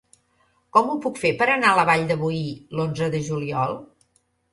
Com ho puc fer per anar a la Vall de Boí l'onze de juliol?